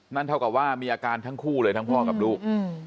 เท่ากับว่ามีอาการทั้งคู่เลยทั้งพ่อกับลูก